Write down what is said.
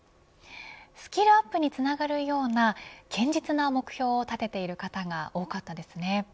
スキルアップにつながるような堅実な目標を立てている方が多かったですね。